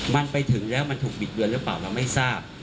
มันไปถึงแล้วมันถูกบิดเบือนหรือเปล่าเราไม่ทราบ